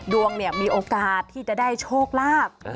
ดวงมีโอกาสที่จะได้โชคราก